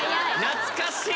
懐かしい。